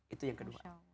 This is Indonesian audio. itu yang kedua